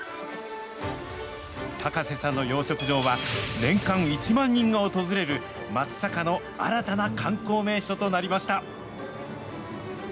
高瀬さんの養殖場は、年間１万人が訪れる、松阪の新たな観光名所となりました。